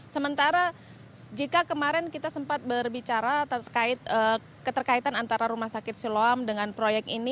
sementara jika kemarin kita sempat berbicara keterkaitan antara rumah sakit siloam dengan proyek ini